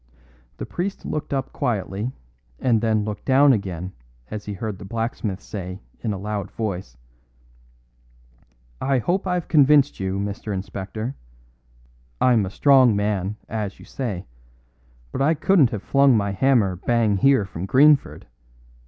The priest looked up quietly and then looked down again as he heard the blacksmith say in a loud voice: "I hope I've convinced you, Mr. Inspector. I'm a strong man, as you say, but I couldn't have flung my hammer bang here from Greenford.